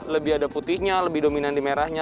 lebih ada putihnya lebih dominan di merahnya